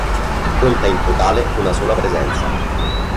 Conta in totale una sola presenza.